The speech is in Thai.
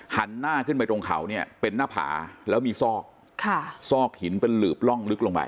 หันหน้าขึ้นไปตรงเขาเนี่ยเป็นหน้าผาแล้วมีซอกค่ะซอกหินเป็นหลืบร่องลึกลงไป